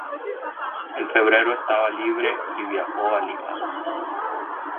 En febrero estaba libre y viajó a Lima.